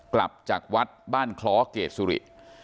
กลับจากวัดบ้านคล้อเกรดสุริ